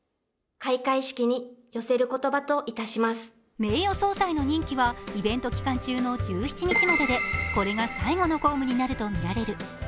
名誉総裁の任期はイベント開催の１１日まででこれが最後の公務になるとみられる。